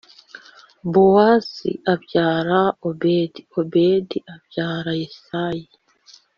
bowazi abyara obedi obedi abyara yesayi